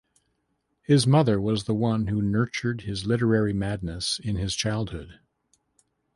His mother was the one who nurtured his literary madness in his childhood.